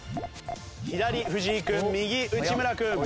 左藤井君右内村君。